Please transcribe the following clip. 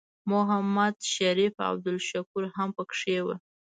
محمد شریف او عبدالشکور هم پکې وو.